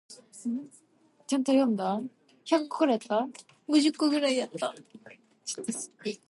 Everyone invites Daphnis to accept his reward.